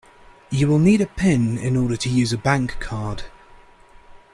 You will need a pin in order to use a bankcard